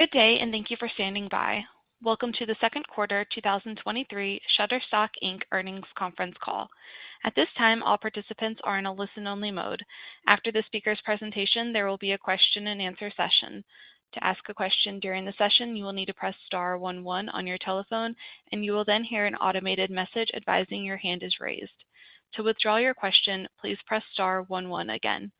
Good day. Thank you for standing by. Welcome to the second quarter 2023 Shutterstock, Inc. earnings conference call. At this time, all participants are in a listen-only mode. After the speaker's presentation, there will be a question and answer session. To ask a question during the session, you will need to press star one one on your telephone, and you will then hear an automated message advising your hand is raised. To withdraw your question, please press star one one again.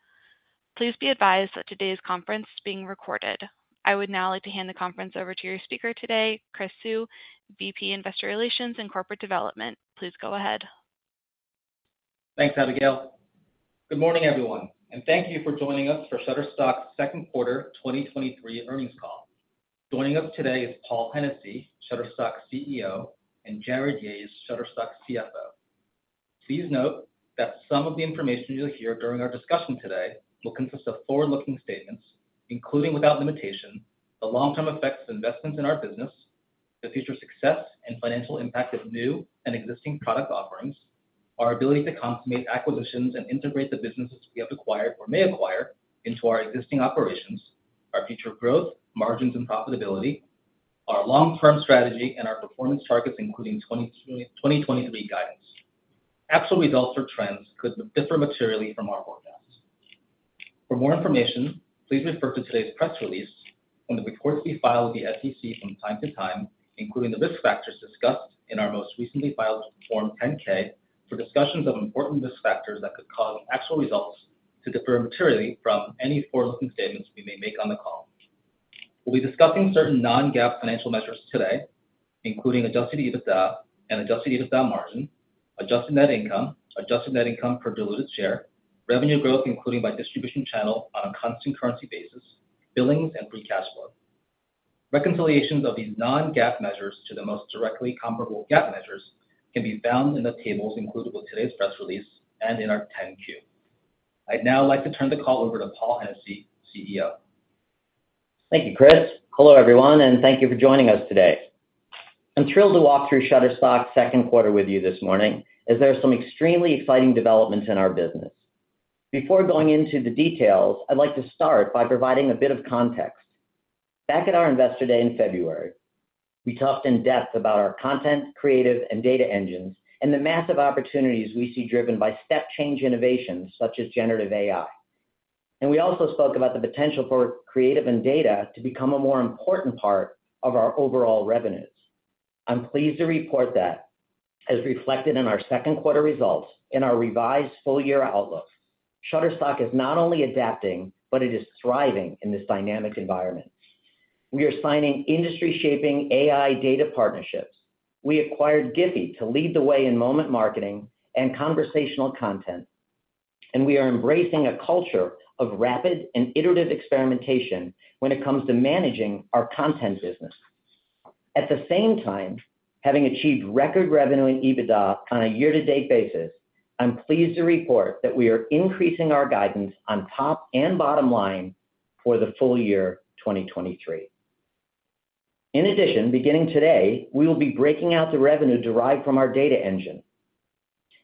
Please be advised that today's conference is being recorded. I would now like to hand the conference over to your speaker today, Chris Suh, VP, Investor Relations and Corporate Development. Please go ahead. Thanks, Abigail. Good morning, everyone, and thank you for joining us for Shutterstock's second quarter 2023 earnings call. Joining us today is Paul Hennessy, Shutterstock's CEO, and Jarrod Yahes, Shutterstock's CFO. Please note that some of the information you'll hear during our discussion today will consist of forward-looking statements, including, without limitation, the long-term effects of investments in our business, the future success and financial impact of new and existing product offerings, our ability to consummate acquisitions and integrate the businesses we have acquired or may acquire into our existing operations, our future growth, margins, and profitability, our long-term strategy and our performance targets, including 2023 guidance. Actual results or trends could differ materially from our forecasts. For more information, please refer to today's press release and the reports we file with the SEC from time to time, including the risk factors discussed in our most recently filed Form 10-K for discussions of important risk factors that could cause actual results to differ materially from any forward-looking statements we may make on the call. We'll be discussing certain non-GAAP financial measures today, including adjusted EBITDA and adjusted EBITDA margin, adjusted net income, adjusted net income per diluted share, revenue growth, including by distribution channel on a constant currency basis, billings, and free cash flow. Reconciliations of these non-GAAP measures to the most directly comparable GAAP measures can be found in the tables included with today's press release and in our 10-Q. I'd now like to turn the call over to Paul Hennessy, CEO. Thank you, Chris. Hello, everyone, and thank you for joining us today. I'm thrilled to walk through Shutterstock's second quarter with you this morning, as there are some extremely exciting developments in our business. Before going into the details, I'd like to start by providing a bit of context. Back at our Investor Day in February, we talked in depth about our content, creative, and data engines and the massive opportunities we see driven by step change innovations such as generative AI. We also spoke about the potential for creative and data to become a more important part of our overall revenues. I'm pleased to report that, as reflected in our second quarter results and our revised full year outlook, Shutterstock is not only adapting, but it is thriving in this dynamic environment. We are signing industry-shaping AI data partnerships. We acquired GIPHY to lead the way in moment marketing and conversational content. We are embracing a culture of rapid and iterative experimentation when it comes to managing our content business. At the same time, having achieved record revenue in EBITDA on a year-to-date basis, I'm pleased to report that we are increasing our guidance on top and bottom line for the full year 2023. In addition, beginning today, we will be breaking out the revenue derived from our data engine.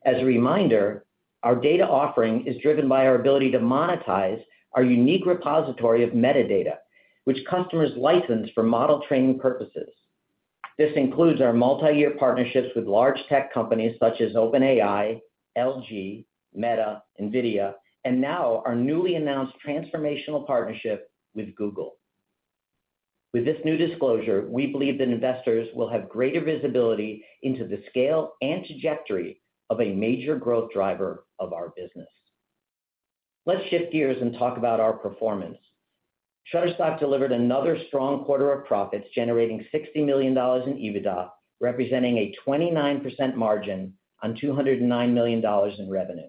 As a reminder, our data offering is driven by our ability to monetize our unique repository of metadata, which customers license for model training purposes. This includes our multi-year partnerships with large tech companies such as OpenAI, LG, Meta, NVIDIA, and now our newly announced transformational partnership with Google. With this new disclosure, we believe that investors will have greater visibility into the scale and trajectory of a major growth driver of our business. Let's shift gears and talk about our performance. Shutterstock delivered another strong quarter of profits, generating $60 million in EBITDA, representing a 29% margin on $209 million in revenue.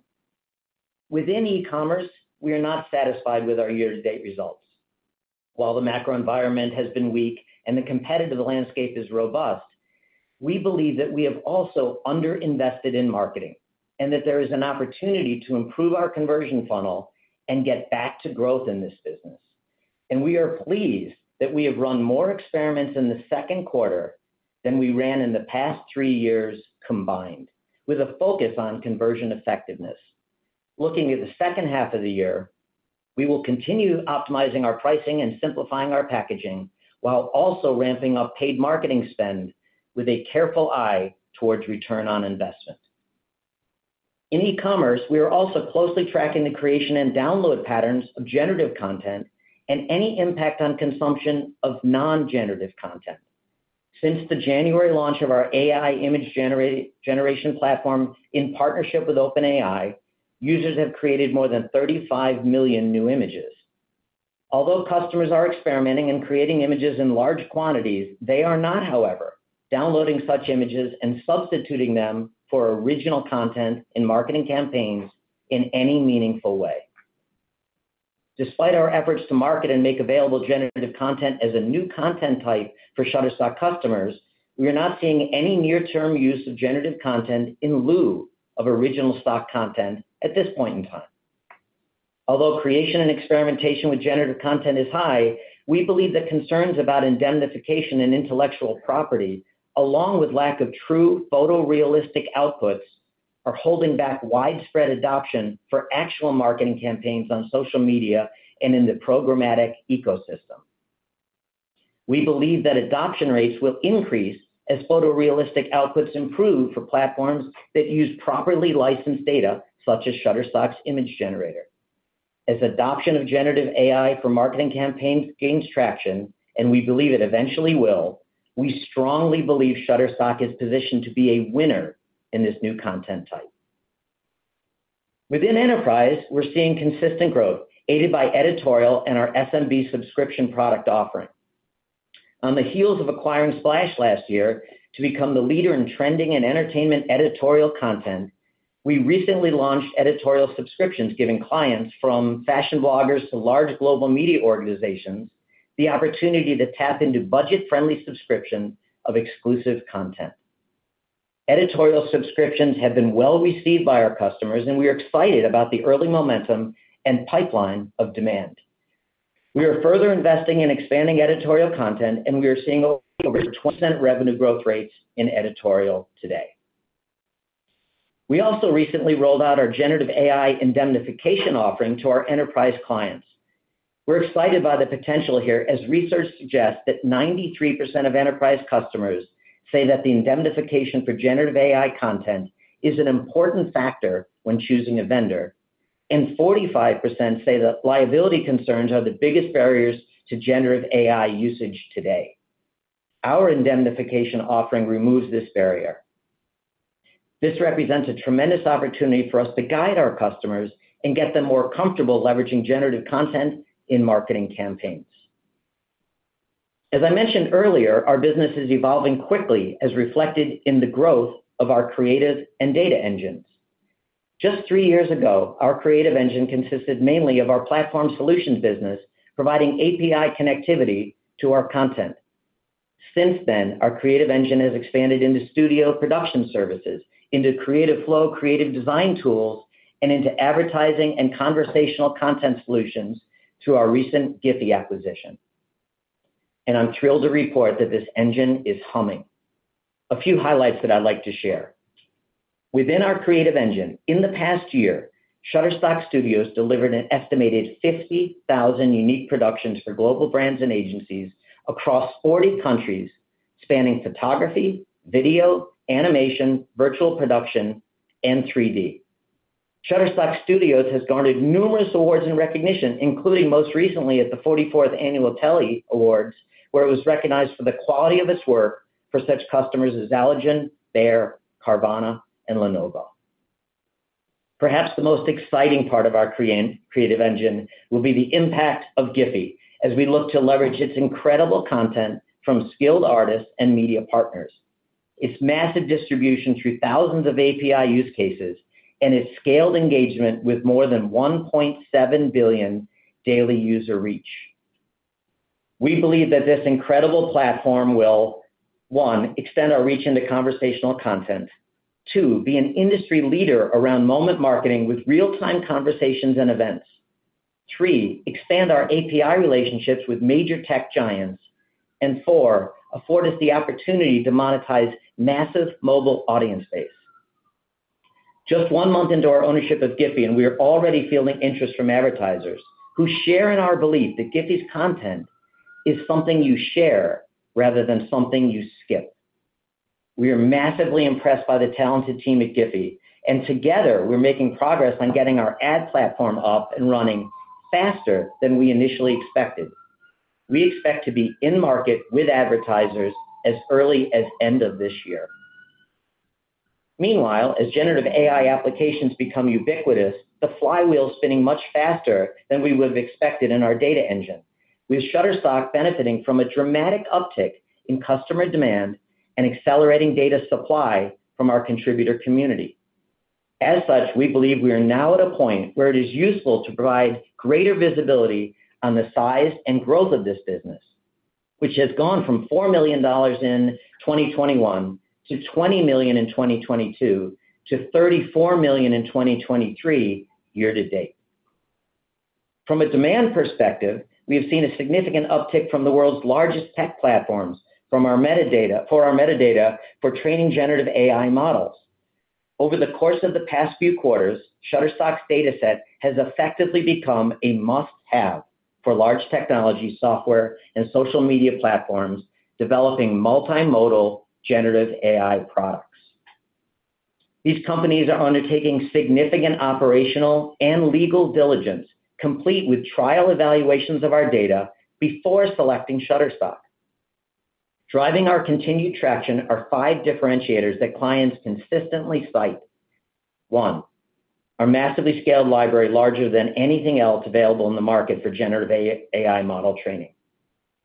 Within e-commerce, we are not satisfied with our year-to-date results. While the macro environment has been weak and the competitive landscape is robust, we believe that we have also underinvested in marketing, and that there is an opportunity to improve our conversion funnel and get back to growth in this business. We are pleased that we have run more experiments in the second quarter than we ran in the past three years combined, with a focus on conversion effectiveness. Looking at the second half of the year, we will continue optimizing our pricing and simplifying our packaging, while also ramping up paid marketing spend with a careful eye towards return on investment. In e-commerce, we are also closely tracking the creation and download patterns of generative content and any impact on consumption of non-generative content. Since the January launch of our AI image generation platform in partnership with OpenAI, users have created more than 35 million new images. Although customers are experimenting and creating images in large quantities, they are not, however, downloading such images and substituting them for original content in marketing campaigns in any meaningful way. Despite our efforts to market and make available generative content as a new content type for Shutterstock customers, we are not seeing any near-term use of generative content in lieu of original stock content at this point in time. Although creation and experimentation with generative content is high, we believe that concerns about indemnification and intellectual property, along with lack of true photorealistic outputs... are holding back widespread adoption for actual marketing campaigns on social media and in the programmatic ecosystem. We believe that adoption rates will increase as photorealistic outputs improve for platforms that use properly licensed data, such as Shutterstock's image generator. As adoption of generative AI for marketing campaigns gains traction, and we believe it eventually will, we strongly believe Shutterstock is positioned to be a winner in this new content type. Within enterprise, we're seeing consistent growth, aided by editorial and our SMB subscription product offering. On the heels of acquiring Splash last year to become the leader in trending and entertainment editorial content, we recently launched editorial subscriptions, giving clients from fashion bloggers to large global media organizations, the opportunity to tap into budget-friendly subscription of exclusive content. Editorial subscriptions have been well received by our customers, and we are excited about the early momentum and pipeline of demand. We are further investing in expanding editorial content, and we are seeing over 20% revenue growth rates in editorial today. We also recently rolled out our generative AI indemnification offering to our enterprise clients. We're excited by the potential here, as research suggests that 93% of enterprise customers say that the indemnification for generative AI content is an important factor when choosing a vendor, and 45% say that liability concerns are the biggest barriers to generative AI usage today. Our indemnification offering removes this barrier. This represents a tremendous opportunity for us to guide our customers and get them more comfortable leveraging generative content in marketing campaigns. As I mentioned earlier, our business is evolving quickly, as reflected in the growth of our creative and data engines. Just 3 years ago, our creative engine consisted mainly of our platform solutions business, providing API connectivity to our content. Since then, our creative engine has expanded into studio production services, into Creative Flow, creative design tools, and into advertising and conversational content solutions through our recent GIPHY acquisition. I'm thrilled to report that this engine is humming. A few highlights that I'd like to share. Within our creative engine, in the past year, Shutterstock Studios delivered an estimated 50,000 unique productions for global brands and agencies across 40 countries, spanning photography, video, animation, virtual production, and 3D. Shutterstock Studios has garnered numerous awards and recognition, including most recently at the 44th Annual Telly Awards, where it was recognized for the quality of its work for such customers as Allergan, Bayer, Carvana, and Lenovo. Perhaps the most exciting part of our creative engine will be the impact of GIPHY, as we look to leverage its incredible content from skilled artists and media partners, its massive distribution through thousands of API use cases, and its scaled engagement with more than 1.7 billion daily user reach. We believe that this incredible platform will, one, extend our reach into conversational content. Two, be an industry leader around moment marketing with real-time conversations and events. Three, expand our API relationships with major tech giants. Four, afford us the opportunity to monetize massive mobile audience base. Just one month into our ownership of GIPHY, and we are already fielding interest from advertisers who share in our belief that GIPHY's content is something you share rather than something you skip. We are massively impressed by the talented team at GIPHY, and together we're making progress on getting our ad platform up and running faster than we initially expected. We expect to be in market with advertisers as early as end of this year. Meanwhile, as generative AI applications become ubiquitous, the flywheel is spinning much faster than we would have expected in our data engine, with Shutterstock benefiting from a dramatic uptick in customer demand and accelerating data supply from our contributor community. As such, we believe we are now at a point where it is useful to provide greater visibility on the size and growth of this business, which has gone from $4 million in 2021 to $20 million in 2022, to $34 million in 2023 year to date. From a demand perspective, we have seen a significant uptick from the world's largest tech platforms, for our metadata for training generative AI models. Over the course of the past few quarters, Shutterstock's dataset has effectively become a must-have for large technology software and social media platforms, developing multimodal generative AI products. These companies are undertaking significant operational and legal diligence, complete with trial evaluations of our data before selecting Shutterstock. Driving our continued traction are five differentiators that clients consistently cite. One, our massively scaled library, larger than anything else available in the market for generative AI model training.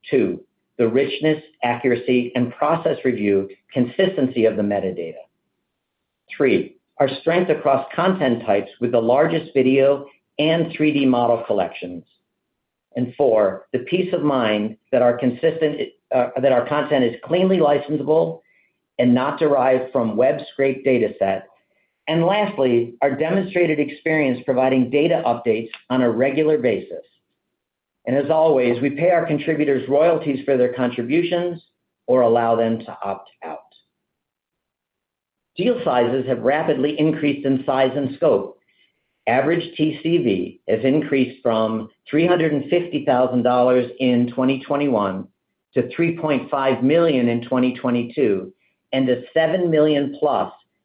Two, the richness, accuracy, and process review, consistency of the metadata. Three, our strength across content types with the largest video and 3D model collections. Four, the peace of mind that our consistent, that our content is cleanly licensable and not derived from web scrape data set. Lastly, our demonstrated experience providing data updates on a regular basis. As always, we pay our contributors royalties for their contributions or allow them to opt out. Deal sizes have rapidly increased in size and scope. Average TCV has increased from $350,000 in 2021, to $3.5 million in 2022, and to $7 million+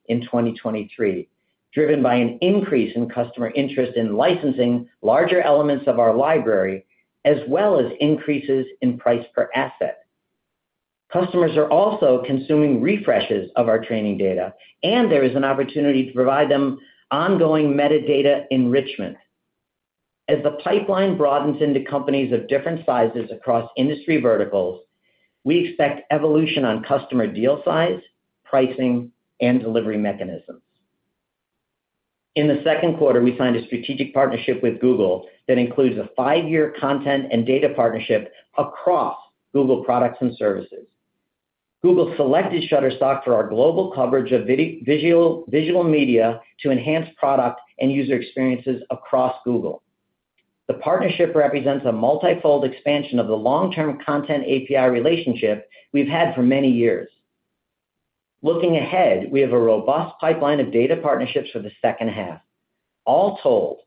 in 2023, driven by an increase in customer interest in licensing larger elements of our library, as well as increases in price per asset. Customers are also consuming refreshes of our training data, and there is an opportunity to provide them ongoing metadata enrichment. As the pipeline broadens into companies of different sizes across industry verticals, we expect evolution on customer deal size, pricing, and delivery mechanisms. In the second quarter, we signed a strategic partnership with Google that includes a five-year content and data partnership across Google products and services. Google selected Shutterstock for our global coverage of visual, visual media to enhance product and user experiences across Google. The partnership represents a multifold expansion of the long-term content API relationship we've had for many years. Looking ahead, we have a robust pipeline of data partnerships for the second half. All told,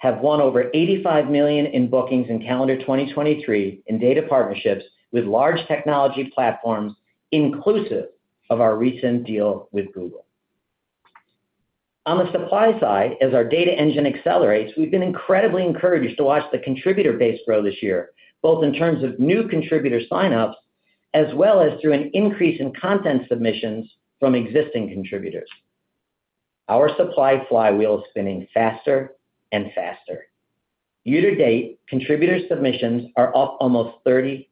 have won over $85 million in bookings in calendar 2023 in data partnerships with large technology platforms, inclusive of our recent deal with Google. On the supply side, as our data engine accelerates, we've been incredibly encouraged to watch the contributor base grow this year, both in terms of new contributor sign-ups, as well as through an increase in content submissions from existing contributors. Our supply flywheel is spinning faster and faster. Year to date, contributor submissions are up almost 30%.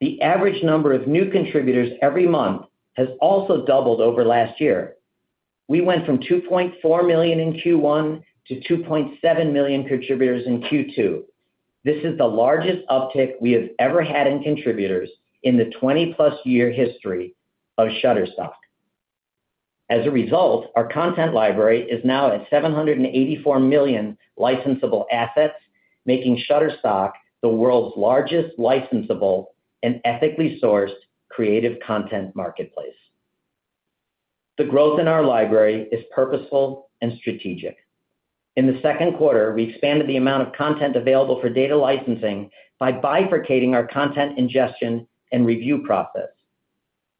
The average number of new contributors every month has also doubled over last year. We went from 2.4 million in Q1 to 2.7 million contributors in Q2. This is the largest uptick we have ever had in contributors in the 20-plus year history of Shutterstock. As a result, our content library is now at 784 million licensable assets, making Shutterstock the world's largest licensable and ethically sourced creative content marketplace. The growth in our library is purposeful and strategic. In the second quarter, we expanded the amount of content available for data licensing by bifurcating our content ingestion and review process.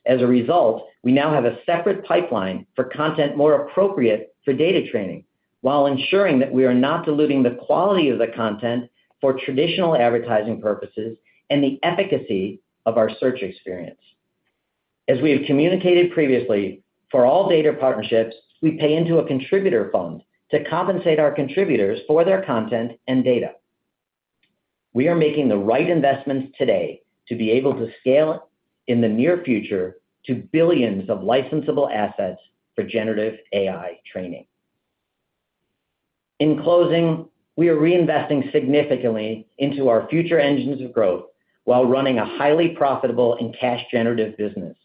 As a result, we now have a separate pipeline for content more appropriate for data training, while ensuring that we are not diluting the quality of the content for traditional advertising purposes and the efficacy of our search experience. As we have communicated previously, for all data partnerships, we pay into a contributor fund to compensate our contributors for their content and data. We are making the right investments today to be able to scale in the near future to billions of licensable assets for generative AI training. In closing, we are reinvesting significantly into our future engines of growth while running a highly profitable and cash-generative business.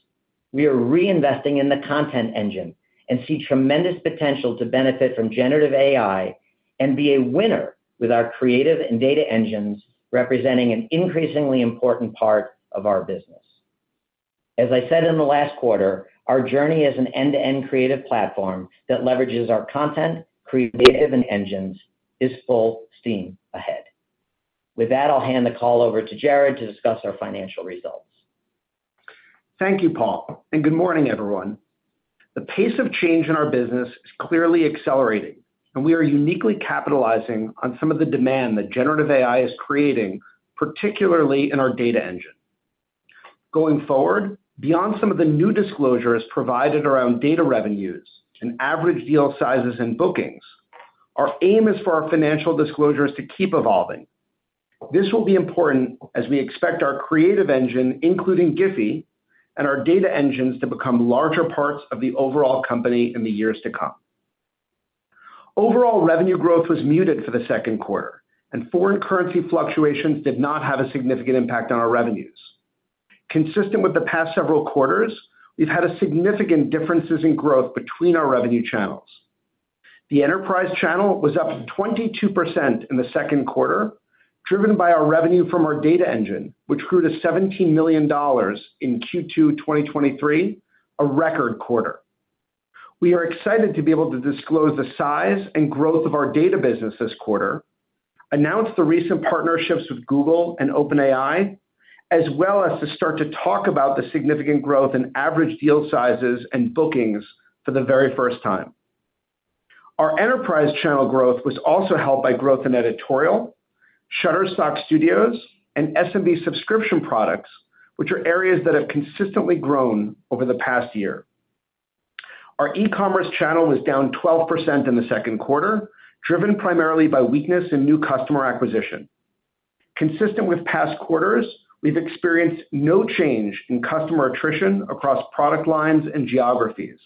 We are reinvesting in the content engine and see tremendous potential to benefit from generative AI, and be a winner with our creative and data engines, representing an increasingly important part of our business. As I said in the last quarter, our journey as an end-to-end creative platform that leverages our content, creative, and engines is full steam ahead. With that, I'll hand the call over to Jarrod to discuss our financial results. Thank you, Paul, and good morning, everyone. The pace of change in our business is clearly accelerating, and we are uniquely capitalizing on some of the demand that generative AI is creating, particularly in our data engine. Going forward, beyond some of the new disclosures provided around data revenues and average deal sizes and bookings, our aim is for our financial disclosures to keep evolving. This will be important as we expect our creative engine, including GIPHY and our data engines, to become larger parts of the overall company in the years to come. Overall, revenue growth was muted for the second quarter, and foreign currency fluctuations did not have a significant impact on our revenues. Consistent with the past several quarters, we've had a significant differences in growth between our revenue channels. The enterprise channel was up 22% in the second quarter, driven by our revenue from our data engine, which grew to $17 million in Q2 2023, a record quarter. We are excited to be able to disclose the size and growth of our data business this quarter, announce the recent partnerships with Google and OpenAI, as well as to start to talk about the significant growth in average deal sizes and bookings for the very first time. Our enterprise channel growth was also helped by growth in editorial, Shutterstock Studios, and SMB subscription products, which are areas that have consistently grown over the past year. Our e-commerce channel was down 12% in the second quarter, driven primarily by weakness in new customer acquisition. Consistent with past quarters, we've experienced no change in customer attrition across product lines and geographies.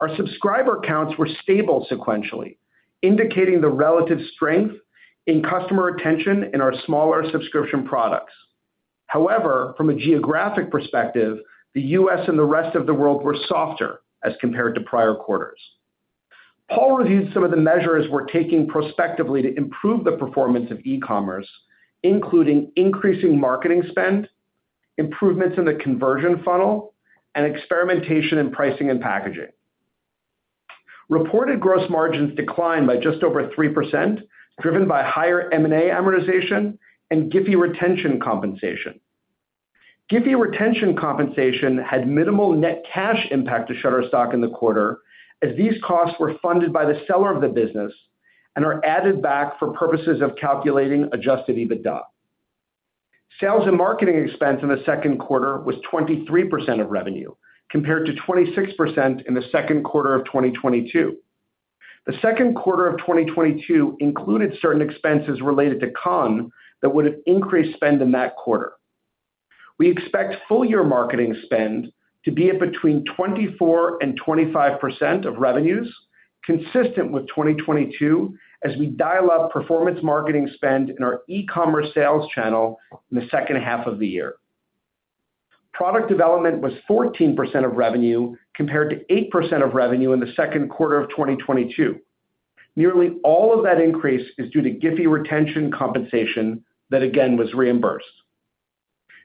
Our subscriber counts were stable sequentially, indicating the relative strength in customer retention in our smaller subscription products. However, from a geographic perspective, the US and the rest of the world were softer as compared to prior quarters. Paul reviewed some of the measures we're taking prospectively to improve the performance of e-commerce, including increasing marketing spend, improvements in the conversion funnel, and experimentation in pricing and packaging. Reported gross margins declined by just over 3%, driven by higher M&A amortization and GIPHY retention compensation. GIPHY retention compensation had minimal net cash impact to Shutterstock in the quarter, as these costs were funded by the seller of the business and are added back for purposes of calculating adjusted EBITDA. Sales and marketing expense in the second quarter was 23% of revenue, compared to 26% in the second quarter of 2022. The second quarter of 2022 included certain expenses related to CON that would have increased spend in that quarter. We expect full year marketing spend to be at between 24% and 25% of revenues, consistent with 2022, as we dial up performance marketing spend in our e-commerce sales channel in the second half of the year. Product development was 14% of revenue, compared to 8% of revenue in the second quarter of 2022. Nearly all of that increase is due to GIPHY retention compensation, that again, was reimbursed.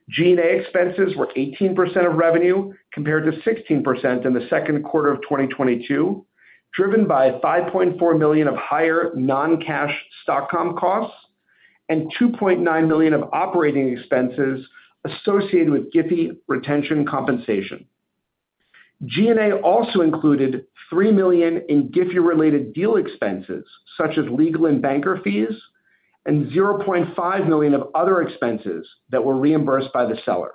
G&A expenses were 18% of revenue, compared to 16% in the second quarter of 2022, driven by $5.4 million of higher non-cash stock comp costs and $2.9 million of operating expenses associated with GIPHY retention compensation. G&A also included $3 million in GIPHY related deal expenses, such as legal and banker fees, and $0.5 million of other expenses that were reimbursed by the seller.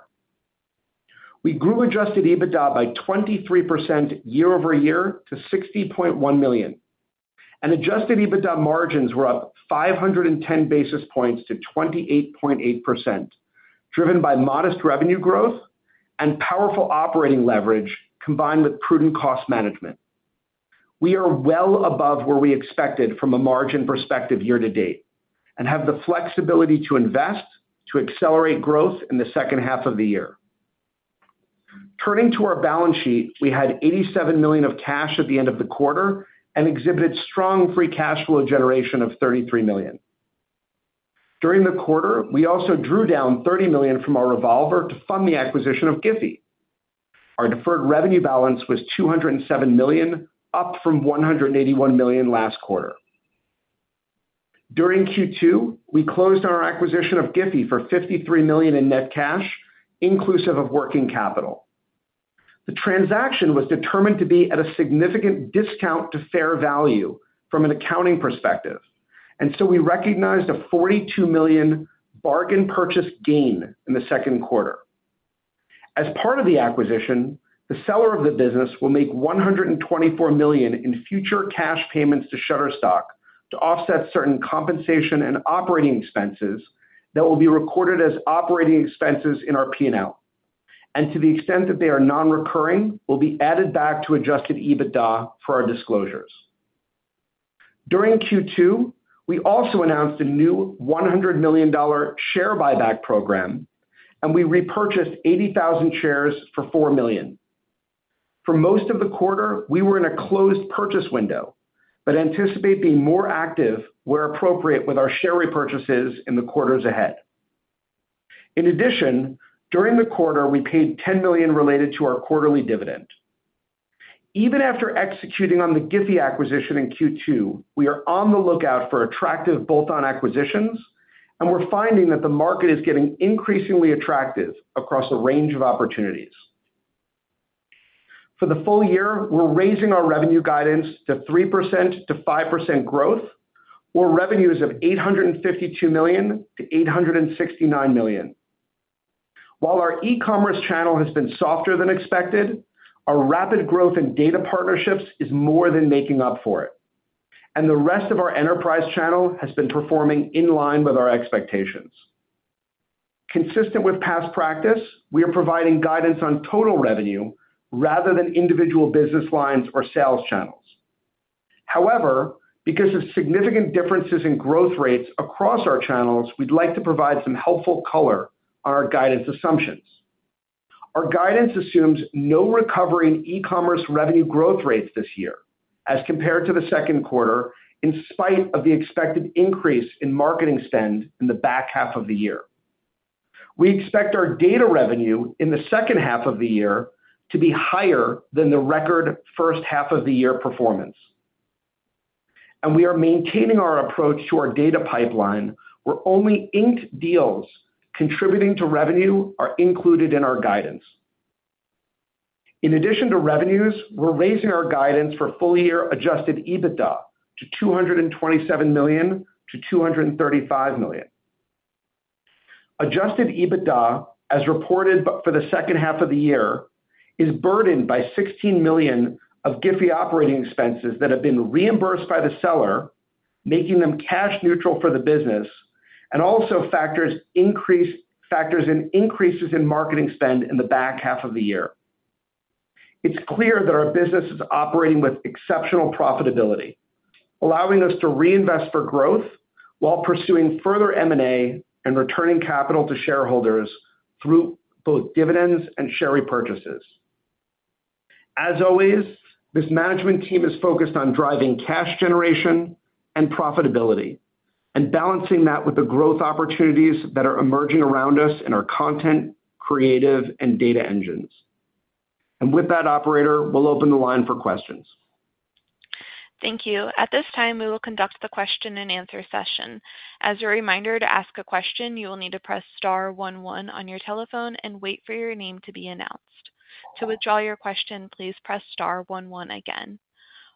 We grew Adjusted EBITDA by 23% year-over-year to $60.1 million, and Adjusted EBITDA margins were up 510 basis points to 28.8%, driven by modest revenue growth and powerful operating leverage, combined with prudent cost management. We are well above where we expected from a margin perspective year to date, and have the flexibility to invest to accelerate growth in the second half of the year. Turning to our balance sheet, we had $87 million of cash at the end of the quarter and exhibited strong free cash flow generation of $33 million. During the quarter, we also drew down $30 million from our revolver to fund the acquisition of GIPHY. Our deferred revenue balance was $207 million, up from $181 million last quarter. During Q2, we closed our acquisition of GIPHY for $53 million in net cash, inclusive of working capital. The transaction was determined to be at a significant discount to fair value from an accounting perspective, and so we recognized a $42 million bargain purchase gain in the second quarter. As part of the acquisition, the seller of the business will make $124 million in future cash payments to Shutterstock to offset certain compensation and operating expenses that will be recorded as operating expenses in our P&L. To the extent that they are non-recurring, will be added back to adjusted EBITDA for our disclosures. During Q2, we also announced a new $100 million share buyback program. We repurchased 80,000 shares for $4 million. For most of the quarter, we were in a closed purchase window. Anticipate being more active where appropriate with our share repurchases in the quarters ahead. In addition, during the quarter, we paid $10 million related to our quarterly dividend. Even after executing on the GIPHY acquisition in Q2, we are on the lookout for attractive bolt-on acquisitions. We're finding that the market is getting increasingly attractive across a range of opportunities. For the full year, we're raising our revenue guidance to 3%-5% growth, or revenues of $852 million-$869 million. While our e-commerce channel has been softer than expected, our rapid growth in data partnerships is more than making up for it, and the rest of our enterprise channel has been performing in line with our expectations. Consistent with past practice, we are providing guidance on total revenue rather than individual business lines or sales channels. However, because of significant differences in growth rates across our channels, we'd like to provide some helpful color on our guidance assumptions. Our guidance assumes no recovery in e-commerce revenue growth rates this year as compared to the second quarter, in spite of the expected increase in marketing spend in the back half of the year. We expect our data revenue in the second half of the year to be higher than the record first half of the year performance. We are maintaining our approach to our data pipeline, where only inked deals contributing to revenue are included in our guidance. In addition to revenues, we're raising our guidance for full year adjusted EBITDA to $227 million-$235 million. Adjusted EBITDA, as reported for the second half of the year, is burdened by $16 million of GIPHY operating expenses that have been reimbursed by the seller, making them cash neutral for the business, and also factors in increases in marketing spend in the back half of the year. It's clear that our business is operating with exceptional profitability, allowing us to reinvest for growth while pursuing further M&A and returning capital to shareholders through both dividends and share repurchases. As always, this management team is focused on driving cash generation and profitability, and balancing that with the growth opportunities that are emerging around us in our content, creative, and data engines. With that, operator, we'll open the line for questions. Thank you. At this time, we will conduct the question-and-answer session. As a reminder, to ask a question, you will need to press star one one on your telephone and wait for your name to be announced. To withdraw your question, please press star one one again.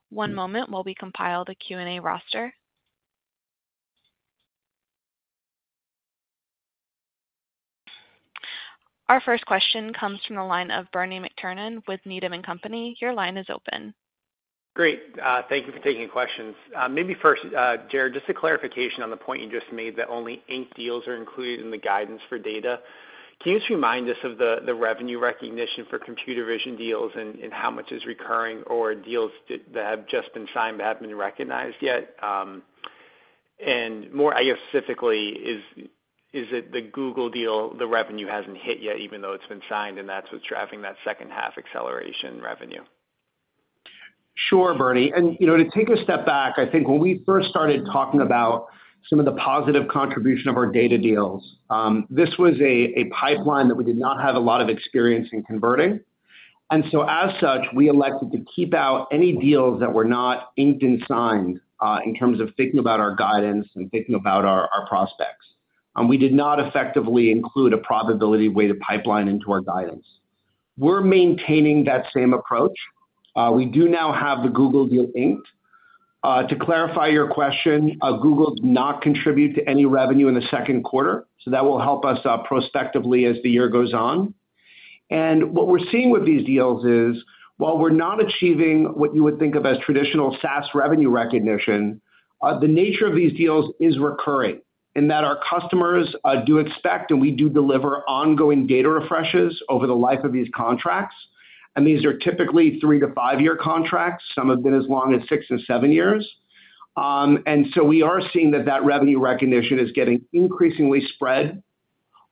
One moment while we compile the Q&A roster. Our first question comes from the line of Bernie McTernan with Needham & Company. Your line is open. Great, thank you for taking questions. Maybe first, Jarrod, just a clarification on the point you just made that only 8 deals are included in the guidance for data. Can you just remind us of the, the revenue recognition for computer vision deals and, and how much is recurring or deals that, that have just been signed but haven't been recognized yet? More, I guess, specifically, is, is it the Google deal, the revenue hasn't hit yet, even though it's been signed, and that's what's driving that second half acceleration revenue? Sure, Bernie. You know, to take a step back, I think when we first started talking about some of the positive contribution of our data deals, this was a, a pipeline that we did not have a lot of experience in converting. As such, we elected to keep out any deals that were not inked and signed, in terms of thinking about our guidance and thinking about our, our prospects. We did not effectively include a probability-weighted pipeline into our guidance. We're maintaining that same approach. We do now have the Google deal inked. To clarify your question, Google did not contribute to any revenue in the second quarter, so that will help us out prospectively as the year goes on. What we're seeing with these deals is, while we're not achieving what you would think of as traditional SaaS revenue recognition, the nature of these deals is recurring, in that our customers do expect, and we do deliver ongoing data refreshes over the life of these contracts. These are typically 3-5-year contracts. Some have been as long as six and seven years. We are seeing that, that revenue recognition is getting increasingly spread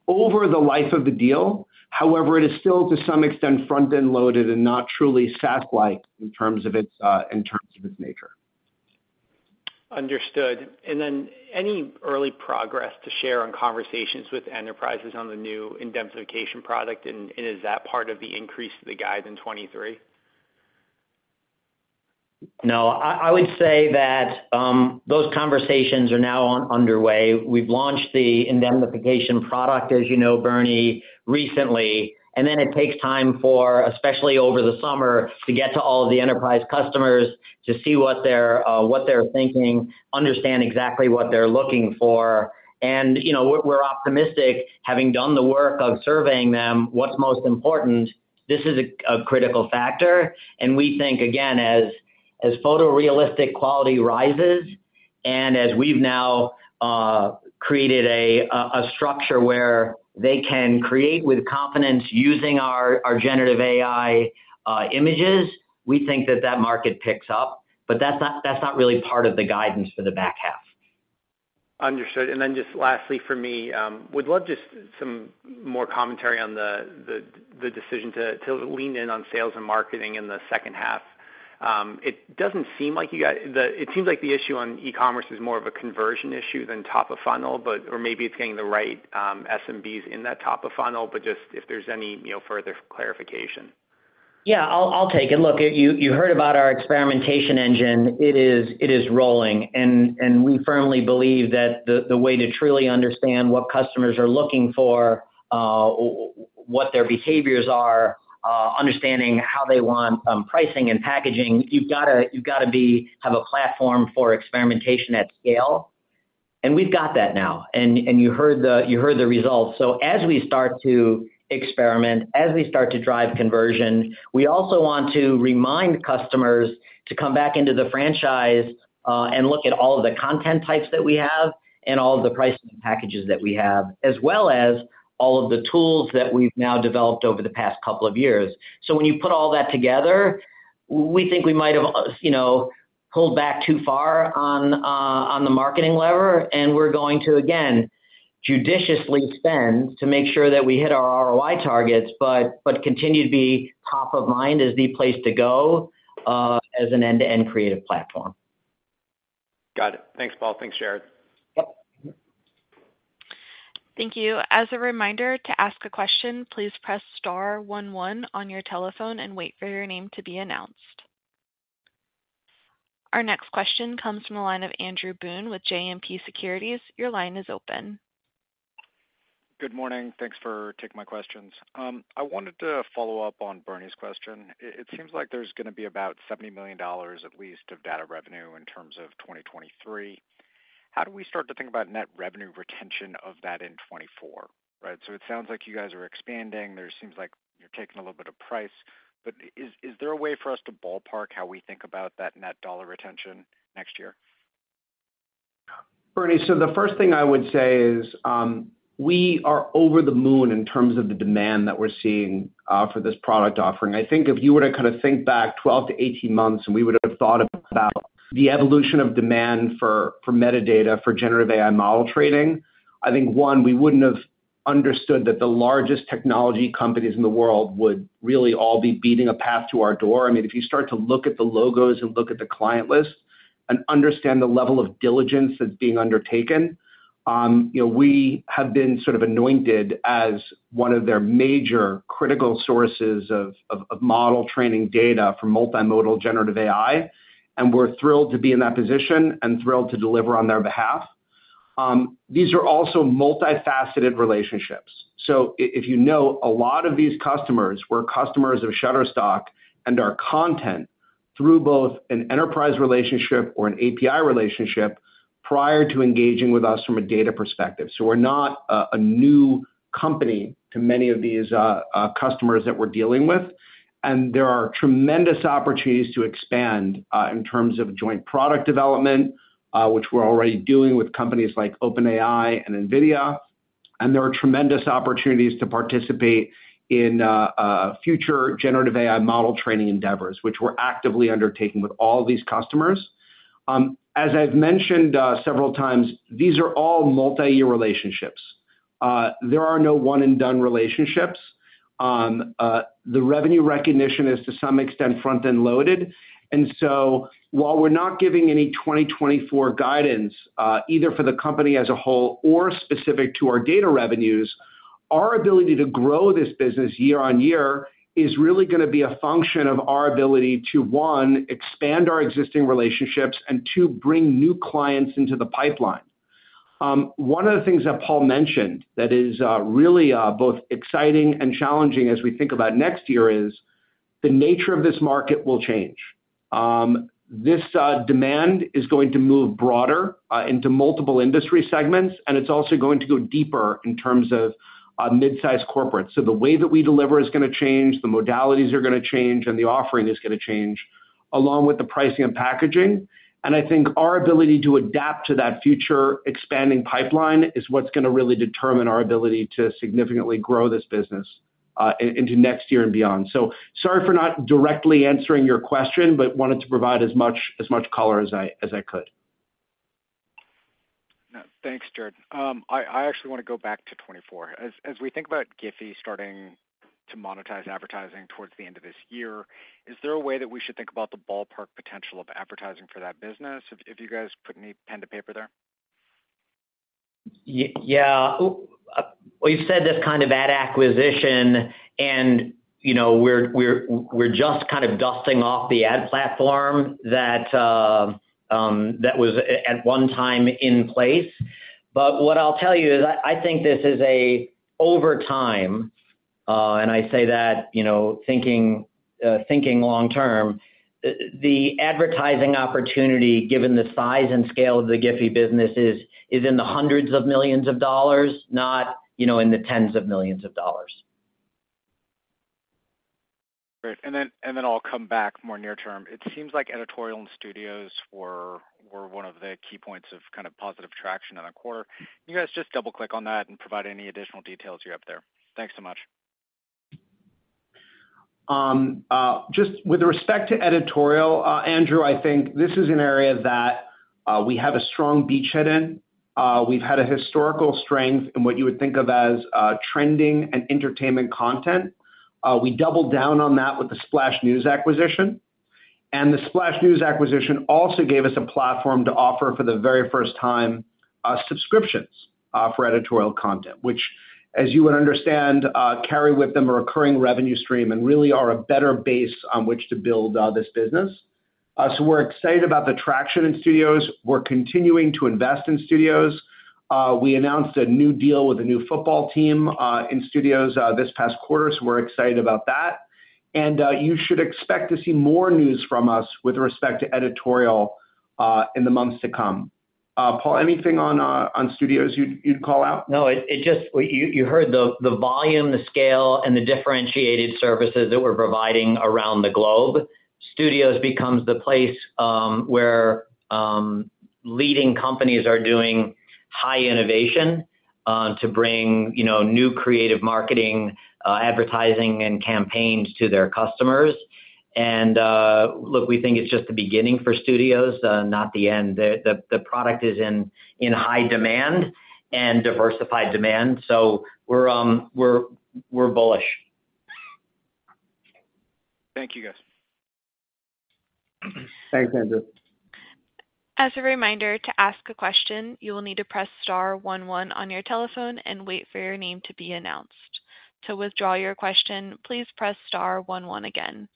over the life of the deal. However, it is still, to some extent, front-end loaded and not truly SaaS-like in terms of its in terms of its nature. Understood. Then any early progress to share on conversations with enterprises on the new indemnification product, is that part of the increase to the guide in 2023? No, I, I would say that those conversations are now on underway. We've launched the indemnification product, as you know, Bernie, recently, and then it takes time for, especially over the summer, to get to all of the enterprise customers, to see what they're, what they're thinking, understand exactly what they're looking for. You know, we're, we're optimistic, having done the work of surveying them, what's most important, this is a, a critical factor. We think, again, as, as photorealistic quality rises and as we've now created a structure where they can create with confidence using our generative AI images, we think that that market picks up. That's not, that's not really part of the guidance for the back half. Understood. Just lastly for me, would love just some more commentary on the decision to lean in on sales and marketing in the second half. It doesn't seem like you guys-- it seems like the issue on e-commerce is more of a conversion issue than top of funnel, but or maybe it's getting the right SMBs in that top of funnel, but just if there's any, you know, further clarification. Yeah, I'll, I'll take it. Look, you, you heard about our experimentation engine. It is rolling, and we firmly believe that the, the way to truly understand what customers are looking for, what their behaviors are, understanding how they want pricing and packaging, you've gotta have a platform for experimentation at scale, and we've got that now. You heard the, you heard the results. As we start to experiment, as we start to drive conversion, we also want to remind customers to come back into the franchise, and look at all of the content types that we have and all of the pricing packages that we have, as well as all of the tools that we've now developed over the past couple of years. When you put all that together, we think we might have, you know, pulled back too far on the marketing lever, and we're going to, again, judiciously spend to make sure that we hit our ROI targets, but, but continue to be top of mind as the place to go, as an end-to-end creative platform. Got it. Thanks, Paul. Thanks, Jarrod. Yep. Thank you. As a reminder, to ask a question, please press star one one on your telephone and wait for your name to be announced. Our next question comes from the line of Andrew Boone with JMP Securities. Your line is open. Good morning. Thanks for taking my questions. I wanted to follow up on Bernie's question. It seems like there's gonna be about $70 million, at least, of data revenue in terms of 2023. How do we start to think about net revenue retention of that in 2024, right? It sounds like you guys are expanding. There seems like you're taking a little bit of price. Is there a way for us to ballpark how we think about that net dollar retention next year? Bernie, the first thing I would say is, we are over the moon in terms of the demand that we're seeing for this product offering. I think if you were to kind of think back 12 to 18 months, we would have thought about the evolution of demand for, for metadata, for generative AI model training, I think, 1, we wouldn't have understood that the largest technology companies in the world would really all be beating a path to our door. I mean, if you start to look at the logos and look at the client list and understand the level of diligence that's being undertaken, you know, we have been sort of anointed as one of their major critical sources of, of, of model training data for multimodal generative AI, and we're thrilled to be in that position and thrilled to deliver on their behalf. These are also multifaceted relationships. If you know, a lot of these customers were customers of Shutterstock and our content through both an enterprise relationship or an API relationship, prior to engaging with us from a data perspective. We're not a, a new company to many of these customers that we're dealing with. There are tremendous opportunities to expand in terms of joint product development, which we're already doing with companies like OpenAI and NVIDIA. There are tremendous opportunities to participate in future generative AI model training endeavors, which we're actively undertaking with all these customers. As I've mentioned several times, these are all multi-year relationships. There are no one-and-done relationships. The revenue recognition is, to some extent, front-end loaded. While we're not giving any 2024 guidance, either for the company as a whole or specific to our data revenues, our ability to grow this business year-on-year is really gonna be a function of our ability to, one, expand our existing relationships, and two, bring new clients into the pipeline. One of the things that Paul mentioned that is really both exciting and challenging as we think about next year is, the nature of this market will change. This demand is going to move broader into multiple industry segments, and it's also going to go deeper in terms of mid-sized corporates. The way that we deliver is gonna change, the modalities are gonna change, and the offering is gonna change, along with the pricing and packaging. I think our ability to adapt to that future expanding pipeline is what's gonna really determine our ability to significantly grow this business into next year and beyond. Sorry for not directly answering your question, but wanted to provide as much, as much color as I, as I could. Thanks, Jarrod. I, I actually wanna go back to 2024. As, as we think about GIPHY starting to monetize advertising towards the end of this year, is there a way that we should think about the ballpark potential of advertising for that business, if, if you guys put any pen to paper there? Yeah. We've said this kind of ad acquisition and, you know, we're, we're, we're just kind of dusting off the ad platform that, that was at one time in place. What I'll tell you is I, I think this is over time, and I say that, you know, thinking long term, the advertising opportunity, given the size and scale of the GIPHY business, is in the hundreds of millions of dollars, not, you know, in the tens of millions of dollars. Great, and then I'll come back more near term. It seems like editorial and Studios were one of the key points of kind of positive traction on a quarter. Can you guys just double-click on that and provide any additional details you have there? Thanks so much. Just with respect to editorial, Andrew, I think this is an area that we have a strong beachhead in. We've had a historical strength in what you would think of as trending and entertainment content. We doubled down on that with the Splash News acquisition. The Splash News acquisition also gave us a platform to offer, for the very first time, subscriptions for editorial content, which, as you would understand, carry with them a recurring revenue stream and really are a better base on which to build this business. We're excited about the traction in Studios. We're continuing to invest in Studios. We announced a new deal with a new football team in Studios this past quarter, so we're excited about that. You should expect to see more news from us with respect to editorial, in the months to come. Paul, anything on, on Studios you'd, you'd call out? No, it, you heard the volume, the scale, and the differentiated services that we're providing around the globe. Studios becomes the place where leading companies are doing high innovation to bring, you know, new creative marketing, advertising and campaigns to their customers. Look, we think it's just the beginning for Studios, not the end. The product is in high demand and diversified demand, so we're, we're bullish. Thank you, guys. Thanks, Andrew. As a reminder, to ask a question, you will need to press star one one on your telephone and wait for your name to be announced. To withdraw your question, please press star one one again.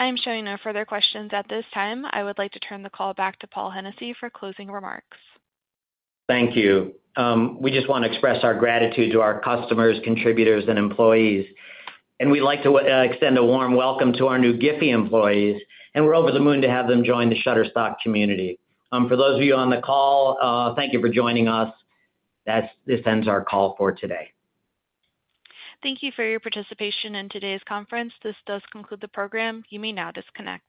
I am showing no further questions at this time. I would like to turn the call back to Paul Hennessy for closing remarks. Thank you. We just want to express our gratitude to our customers, contributors, and employees, and we'd like to extend a warm welcome to our new GIPHY employees, and we're over the moon to have them join the Shutterstock community. For those of you on the call, thank you for joining us. This ends our call for today. Thank you for your participation in today's conference. This does conclude the program. You may now disconnect.